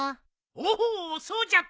おおそうじゃった。